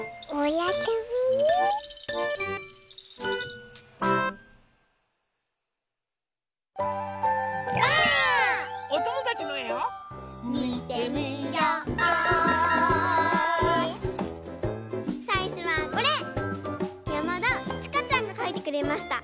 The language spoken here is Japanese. やまだちかちゃんがかいてくれました。